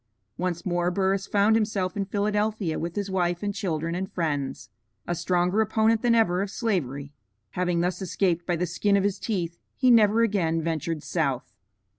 Once more Burris found himself in Philadelphia with his wife and children and friends, a stronger opponent than ever of Slavery. Having thus escaped by the skin of his teeth, he never again ventured South.